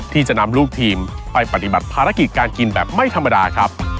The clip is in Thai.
ที่จะนำลูกทีมไปปฏิบัติภารกิจการกินแบบไม่ธรรมดาครับ